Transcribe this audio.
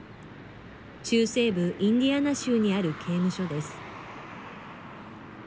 中西部インディアナ州にある刑務所です。